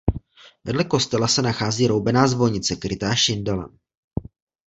Vedle kostela se nachází roubená zvonice krytá šindelem.